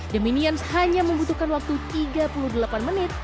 the minions hanya membutuhkan waktu tiga puluh delapan menit